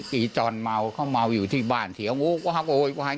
กี่จรเมาเค้าเมาอยู่ที่บ้านเถียงโอ้โฮโฮยโฮย